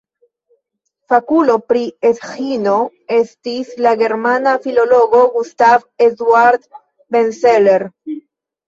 Fakulo pri Esĥino estis la germana filologo Gustav Eduard Benseler.